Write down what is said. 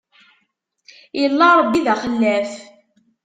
Illa Ṛebbi d axellaf.